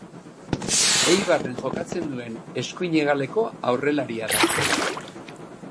Eibarren jokatzen duen eskuin hegaleko aurrelaria da.